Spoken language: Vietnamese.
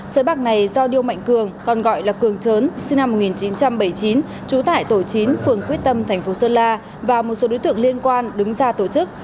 sới bạc này do điêu mạnh cường còn gọi là cường chớn sinh năm một nghìn chín trăm bảy mươi chín trú tại tổ chín phường quyết tâm thành phố sơn la và một số đối tượng liên quan đứng ra tổ chức